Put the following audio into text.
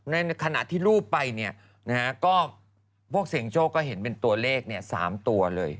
ในขณะที่รูปไปเนี่ยนะฮะก็พวกเสียงโชคก็เห็นเป็นตัวเลข๓ตัวเลย